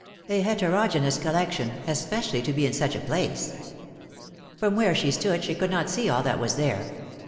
A heterogeneous collection, especially to be in such a place. From where she stood she could not see all that was there.